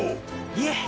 いえ！